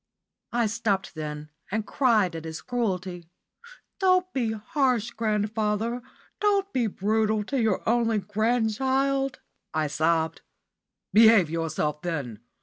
I stopped then and cried at his cruelty. "Don't be harsh, grandfather don't be brutal to your only grandchild," I sobbed. "Behave yourself, then.